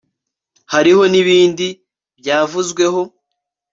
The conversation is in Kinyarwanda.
Hariho ni bindi byavuzweho